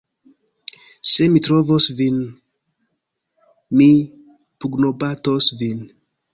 "Se mi trovos vin, mi pugnobatos vin!"